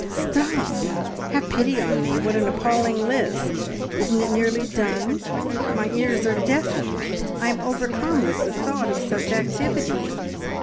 "Stop! Have pity on me! What an appalling list! Isn't it nearly done? My ears are deafened! I am overcome with the thought of such activity!"